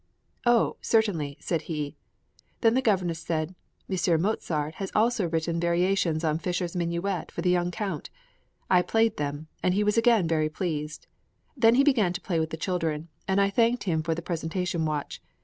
"Oh, certainly," said he. Then the governess said, "M. Mozart has also written variations on Fischer's minuet for the young Count. I played them, and he was again very pleased. Then he began to play with the children, and I thanked him for the presentation watch.